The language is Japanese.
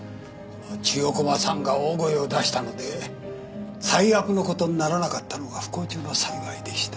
千代駒さんが大声を出したので最悪のことにならなかったのが不幸中の幸いでした。